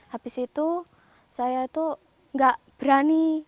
habis itu saya itu nggak berani